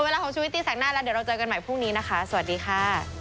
เวลาของชุวิตตีแสงหน้าแล้วเดี๋ยวเราเจอกันใหม่พรุ่งนี้นะคะสวัสดีค่ะ